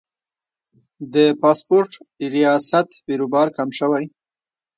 د پاسپورت ریاست بیروبار کم شوی؟